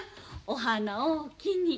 お花おおきに。